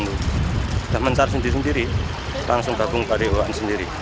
sudah mencar sendiri sendiri langsung bakung pada uang sendiri